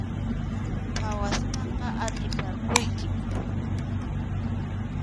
Phawaspaqa atiparquykim.